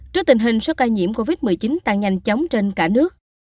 trước tình hình số ca nhiễm covid một mươi chín tăng nhanh chóng trên cả nước